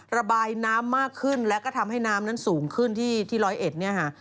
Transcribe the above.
ระบายน้ำมากขึ้นและก็ทำให้น้ำนั้นสูงขึ้นที่๑๐๑เนี่ย